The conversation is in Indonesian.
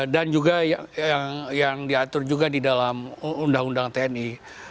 dan juga yang diatur juga di dalam undang undang tni